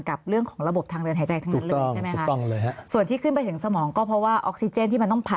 กับเรื่องของระบบทางเรือนหายใจทั้งหมดเลยใช่ไหมคะ